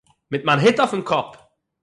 מיט מיין היט אויפן קאפ